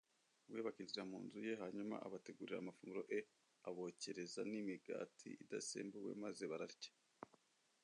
We bakinjira mu nzu ye hanyuma abategurira amafunguro e abokereza n imigati idasembuwe maze bararya